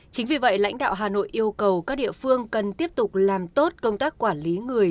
chính vì vậy lãnh đạo hà nội yêu cầu các địa phương cần tiếp tục làm tốt công tác quản lý người